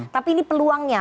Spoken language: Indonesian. tapi ini peluangnya